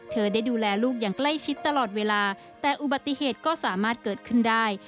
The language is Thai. เธอได้ดูแลลูกอย่างใกล้ชิดตลอดเวลาแต่อุบัติเหตุก็สามารถเกิดขึ้นได้